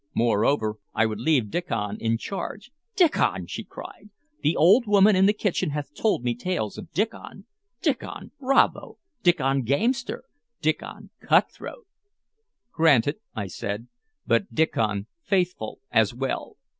Moreover, I would leave Diccon in charge." "Diccon!" she cried. "The old woman in the kitchen hath told me tales of Diccon! Diccon Bravo! Diccon Gamester! Diccon Cutthroat!" "Granted," I said. "But Diccon Faithful as well.